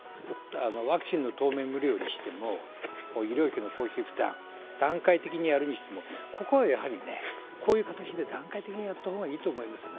ワクチンの当面無料にしても、医療費の公費負担にしても段階的にやる、ここはやはり、こういう形で段階的にやったほうがいいと思いますね。